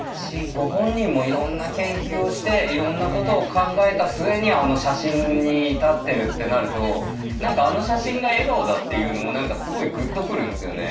ご本人もいろんな研究をしていろんなことを考えた末にあの写真に至ってるってなると何かあの写真が笑顔だっていうのも何かすごいグッと来るんですよね。